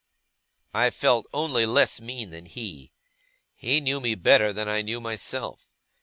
I felt only less mean than he. He knew me better than I knew myself.